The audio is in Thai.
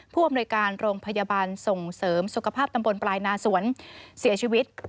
ผู้อำนวยการโรงพยาบาลส่งเสริมสุขภาพตำบลปลายนาสวนเสียชีวิต